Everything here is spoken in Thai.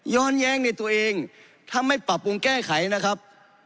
ย้อนแย้งในตัวเองทำให้ปรับภูมิแก้ไขนะครับ